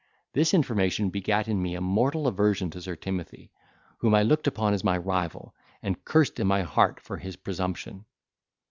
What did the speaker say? This information begat in me a mortal aversion to Sir Timothy, whom I looked upon as my rival, and cursed in my heart for his presumption.